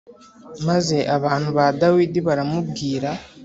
Maze abantu ba Dawidi baramubwira